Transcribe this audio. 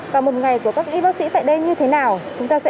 và một ngày của các y bác sĩ tại đây như thế nào chúng ta sẽ cùng tìm hiểu